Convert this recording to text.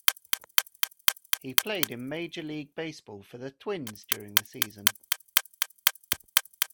He played in Major League Baseball for the Twins during the season.